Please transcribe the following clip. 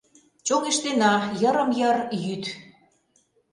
Чоҥештена, йырым-йыр йӱд.